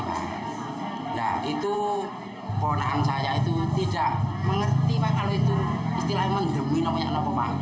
nah itu poran saya itu tidak mengerti kalau itu istilahnya menghidupi apa apa